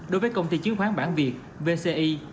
đối với công ty chứng khoán bản việt vci